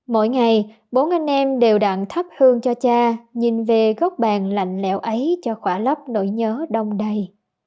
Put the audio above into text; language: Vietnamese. mỗi ngày bốn anh em đều đặn thắp hương cho cha nhìn về góc bàn lạnh lẽo ấy cho khỏa lấp nỗi nhớ đông đầy